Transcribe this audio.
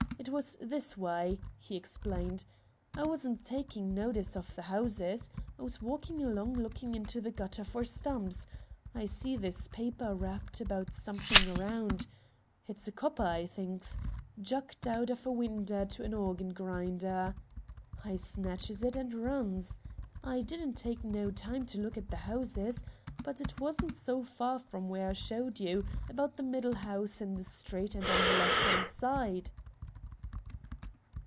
It was this way," he explained. "I wasn't taking notice of the houses. I was walking along looking into the gutter for stumps. I see this paper wrapped about something round. 'It's a copper,' I thinks, 'jucked out of a winder to a organ grinder.' I snatches it, and runs. I didn't take no time to look at the houses. But it wasn't so far from where I showed you; about the middle house in the street and on the left 'and side."